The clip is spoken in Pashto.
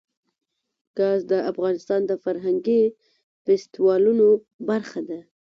ګاز د افغانستان د فرهنګي فستیوالونو برخه ده.